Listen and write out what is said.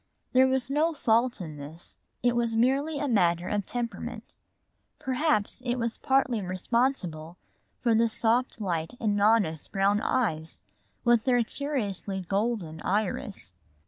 There was no fault in this, it was merely a matter of temperament. Perhaps it was partly responsible for the soft light in Nona's brown eyes with their curiously golden iris.